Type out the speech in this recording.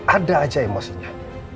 ada aja emosinya